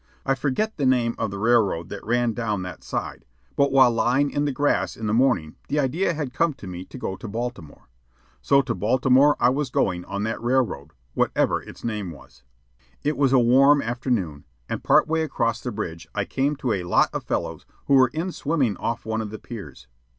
I forget the name of the railroad that ran down that side, but while lying in the grass in the morning the idea had come to me to go to Baltimore; so to Baltimore I was going on that railroad, whatever its name was. It was a warm afternoon, and part way across the bridge I came to a lot of fellows who were in swimming off one of the piers.